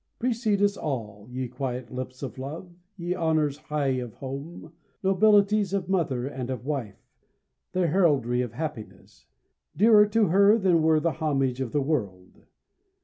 Precede us all, ye quiet lips of love, Ye honors high of home nobilities Of mother and of wife the heraldry Of happiness; dearer to her than were The homage of the world.